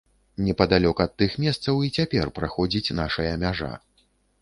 Непадалёк ад тых месцаў і цяпер праходзіць нашая мяжа.